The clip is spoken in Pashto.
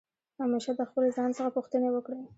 همېشه د خپل ځان څخه پوښتني وکړئ.